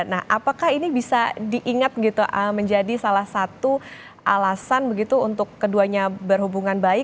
nah apakah ini bisa diingat gitu menjadi salah satu alasan begitu untuk keduanya berhubungan baik